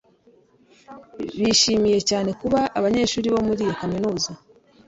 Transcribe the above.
bishimiye cyane kuba abanyeshuri bo muri iyo kaminuza